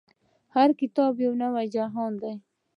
هر کتاب يو نوی جهان دی.